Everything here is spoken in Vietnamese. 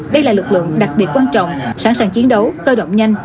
đây là lực lượng đặc biệt quan trọng sẵn sàng chiến đấu cơ động nhanh